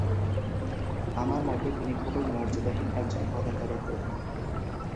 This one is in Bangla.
আমার মতে, তিনি খুবই মর্যাদাহীন একজন পতাকা বাহক।